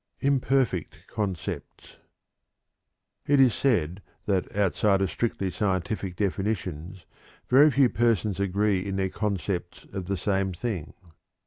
IMPERFECT CONCEPTS. It is said that outside of strictly scientific definitions very few persons agree in their concepts of the same thing.